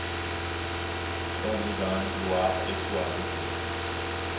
Fronts divins, gloire, et toi, beauté